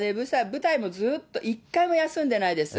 舞台もずっと、一回も休んでないです。